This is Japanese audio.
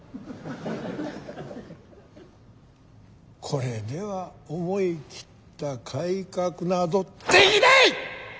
これでは思い切った改革などできない！